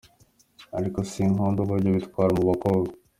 Ariko sinkunda uburyo bitwara mu bakobwa.